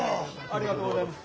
ありがとうございます。